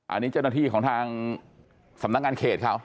อันนี้เจ้าหน้าที่ของทางสำนักงานเขตเขา